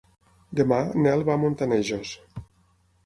Demà en Nel va a Montanejos.